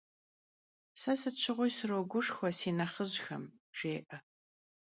Se sıt şığui sroguşşxue si nexhıjxem, - jjê'e.